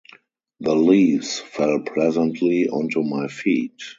The leaves fell pleasantly onto my feet.